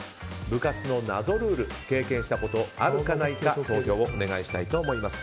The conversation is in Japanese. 部活の謎ルール経験したことがあるか、ないか投票をお願いしたいと思います。